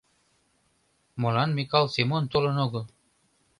— Молан Микал Семон толын огыл?